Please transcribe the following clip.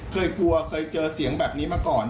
เคยกลัวเคยเจอเสียงแบบนี้มาก่อน